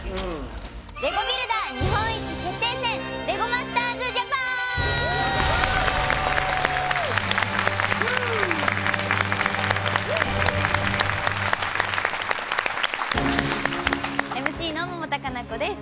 レゴビルダー日本一決定戦レゴマスターズＪＡＰＡＮＭＣの百田夏菜子です